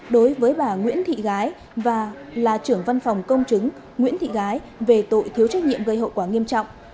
đối với bà nguyễn thị gái và là trưởng văn phòng công chứng nguyễn thị gái về tội thiếu trách nhiệm gây hậu quả nghiêm trọng